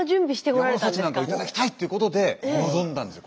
山の幸なんかを頂きたいっていうことで臨んだんですよ